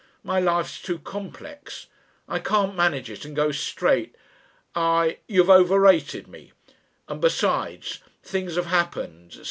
My life's too complex. I can't manage it and go straight. I you've overrated me. And besides Things have happened.